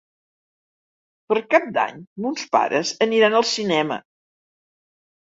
Per Cap d'Any mons pares aniran al cinema.